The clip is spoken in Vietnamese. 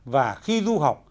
và khi du học